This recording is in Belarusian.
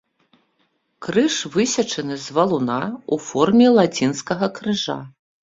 Крыж высечаны з валуна ў форме лацінскага крыжа.